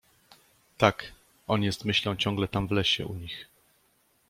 — Tak, on jest myślą ciągle tam w lesie u nich…